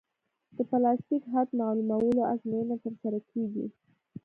د پلاستیک حد معلومولو ازموینه ترسره کیږي